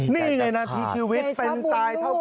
นี่ไงนาทีชีวิตเป็นตายเท่ากัน